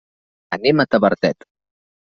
Anem a Tavertet.